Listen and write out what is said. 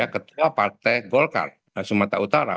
ketua partai golkar sumatera utara